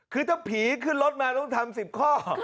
คือถ้าผีขึ้นรถมาต้องทำ๑๐ข้อ